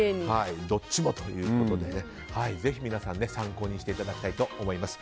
どっちもということでぜひ皆さん、参考にしていただきたいと思います。